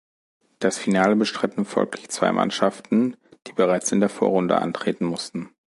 Das Finale bestritten folglich zwei Mannschaften, die bereits in der Vorrunde antreten mussten.